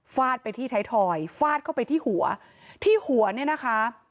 ไปที่ไทยทอยฟาดเข้าไปที่หัวที่หัวเนี่ยนะคะ